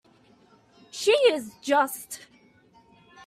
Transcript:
She is just.